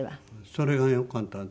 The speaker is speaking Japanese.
それがよかった。